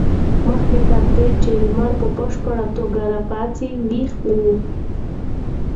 مخکې تر دې چې لمر په بشپړه توګه راوخېژي ویښ و.